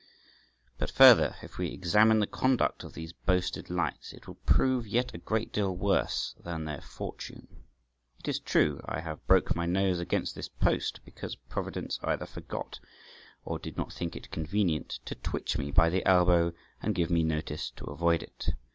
But further, if we examine the conduct of these boasted lights, it will prove yet a great deal worse than their fortune. It is true I have broke my nose against this post, because Providence either forgot, or did not think it convenient, to twitch me by the elbow and give me notice to avoid it.